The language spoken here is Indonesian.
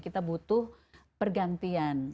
kita butuh pergantian